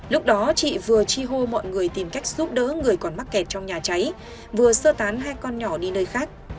lúc đó chị vừa chi hô mọi người tìm cách giúp đỡ người còn mắc kẹt trong nhà cháy vừa sơ tán hai con nhỏ đi nơi khác